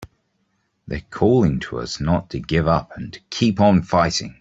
They're calling to us not to give up and to keep on fighting!